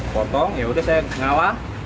potong ya udah saya ngalah